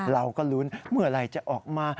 เราก็ลุ้นเมื่อไหร่จะออกมา